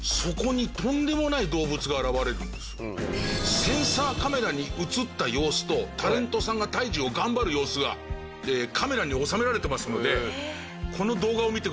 センサーカメラに映った様子とタレントさんが退治を頑張る様子がカメラに収められてますのでこの動画を見てください。